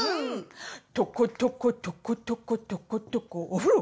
とことことことことことこお風呂！